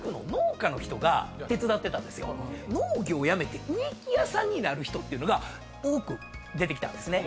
農業をやめて植木屋さんになる人っていうのが多く出てきたんですね。